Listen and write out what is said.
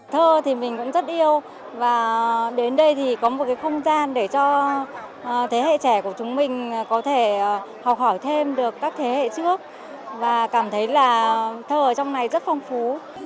thơ thì mình cũng rất yêu và đến đây thì có một cái không gian để cho thế hệ trẻ của chúng mình có thể học hỏi thêm được các thế hệ trước và cảm thấy là thơ ở trong này rất phong phú